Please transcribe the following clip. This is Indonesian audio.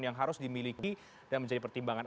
yang harus dimiliki dan menjadi pertimbangan